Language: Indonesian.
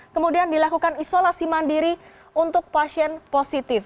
kemudian dilakukan isolasi mandiri untuk pasien positif